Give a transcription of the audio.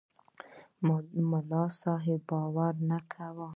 په ملاصاحب باور نه کاوه.